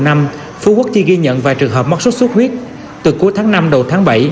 phú quốc chỉ ghi nhận vài trường hợp mắc sốt xuất huyết từ cuối tháng năm đầu tháng bảy